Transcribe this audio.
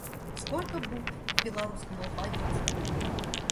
Сколько букв в белорусском алфавите?